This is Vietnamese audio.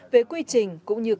về quy trình